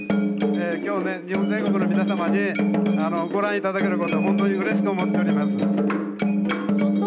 今日、日本全国の皆さんにご覧いただけることは非常に本当にうれしく思っております。